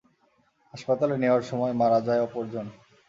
হাসপাতালে নেওয়ার সময় মারা যায় অপরজন।